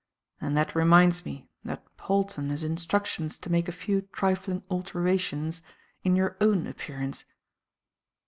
And that reminds me that Polton has instructions to make a few trifling alterations in your own appearance."